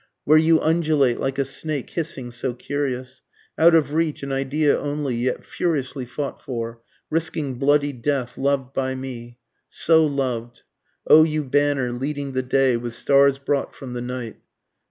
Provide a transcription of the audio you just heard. where you undulate like a snake hissing so curious, Out of reach, an idea only, yet furiously fought for, risking bloody death, loved by me, So loved O you banner leading the day with stars brought from the night!